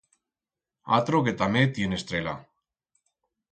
Atro que tamé tiene estrela.